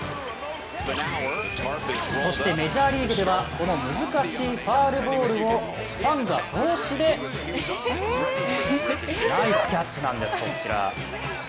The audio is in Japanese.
メジャーリーグではこの難しいファウルボールをファンが帽子でナイスキャッチなんです。